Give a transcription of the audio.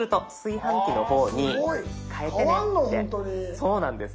そうなんです。